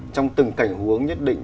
trong từng cảnh huống nhất định